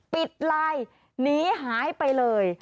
ปิดไลน์หนีหายไปเลย